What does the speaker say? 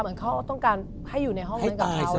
เหมือนเขาต้องการให้อยู่ในห้องนั้นกับเขา